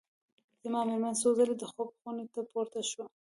زما مېرمن څو ځلي د خوب خونې ته پورته شوه.